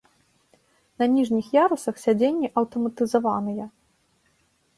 На ніжніх ярусах сядзенні аўтаматызаваныя.